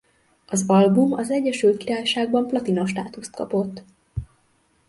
Az album az Egyesült Királyságban platina státuszt kapott.